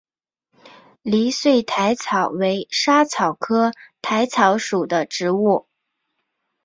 离穗薹草为莎草科薹草属的植物。